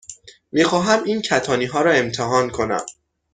می خواهم این کتانی ها را امتحان کنم.